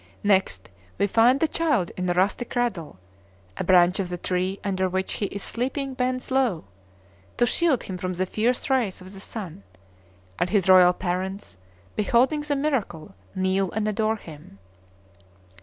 Next we find the child in a rustic cradle; a branch of the tree under which he is sleeping bends low, to shield him from the fierce rays of the sun, and his royal parents, beholding the miracle, kneel and adore him.